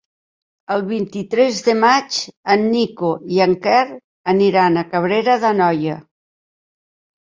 El vint-i-tres de maig en Nico i en Quer aniran a Cabrera d'Anoia.